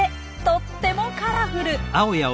とってもカラフル。